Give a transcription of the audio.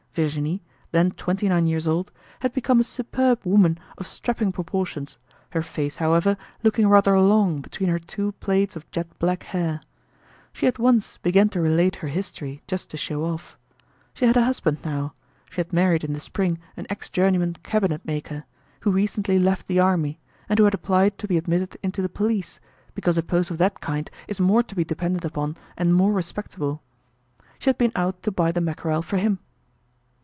Virginie, then twenty nine years old, had become a superb woman of strapping proportions, her face, however, looking rather long between her two plaits of jet black hair. She at once began to relate her history just to show off. She had a husband now; she had married in the spring an ex journeyman cabinetmaker, who recently left the army, and who had applied to be admitted into the police, because a post of that kind is more to be depended upon and more respectable. She had been out to buy the mackerel for him.